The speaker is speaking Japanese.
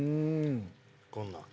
こんなん。